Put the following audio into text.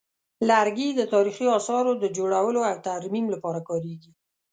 لرګي د تاریخي اثارو د جوړولو او ترمیم لپاره کارېږي.